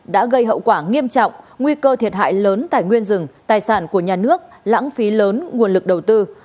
đã gây hậu quả nghiêm trọng nguy cơ thiệt hại lớn tài nguyên rừng tài sản của nhà nước lãng phí lớn nguồn lực đầu tư